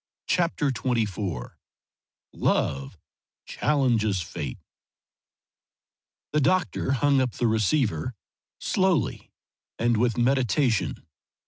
CHAPTER XXIV LOVE CHALLENGES FATE The doctor hung up the receiver slowly and with meditation.